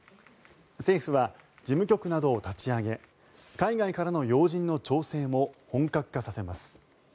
政府は事務局などを立ち上げ海外からの要人の調整も本格化させます。